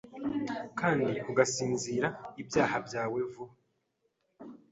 Kandi ugasinzira ibyaha byawe vuba